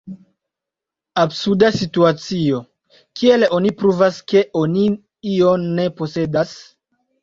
Absurda situacio: kiel oni pruvas, ke oni ion ne posedas?